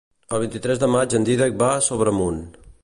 El vint-i-tres de maig en Dídac va a Sobremunt.